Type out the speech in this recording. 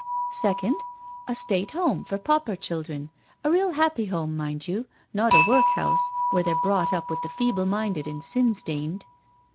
•• Secon<^ a State Home for pauper children, a real happy home, mind you, not a workhouse, where they're brought up with the feeble minded and sin stained.